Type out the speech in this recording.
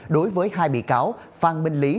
đối với hai bị cáo phan minh lý